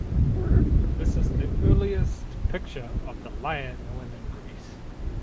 This is the earliest picture of the lyre known in Greece.